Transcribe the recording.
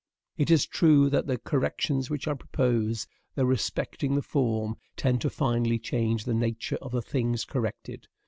It is true that the corrections which I propose, though respecting the form, tend to finally change the nature of the things corrected.